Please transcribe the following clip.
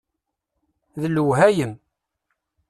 D lewhayem!